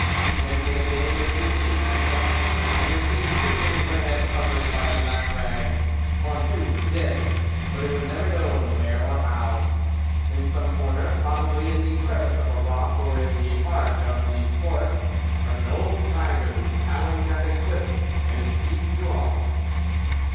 Then came a day when she ceased her quest, and was seen sitting, her head covered by a black rag: Pointu was dead, but it was never known where or how. In some corner, probably, in the crevice of a rock or in the heart of the forest, like an old tiger whose talons have been clipped and his teeth drawn.